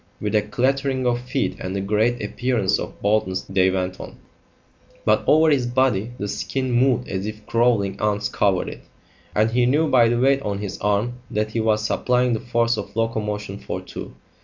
With a clattering of feet and a great appearance of boldness they went on, but over his body the skin moved as if crawling ants covered it, and he knew by the weight on his arm that he was supplying the force of locomotion for two.